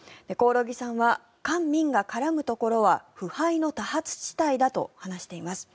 興梠さんは官民が絡むところは腐敗の多発地帯だと話しています。